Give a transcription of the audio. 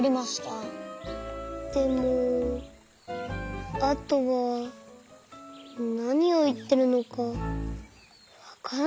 でもあとはなにをいってるのかわからなかった。